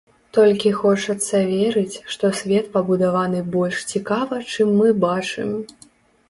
Толькі хочацца верыць, што свет пабудаваны больш цікава, чым мы бачым.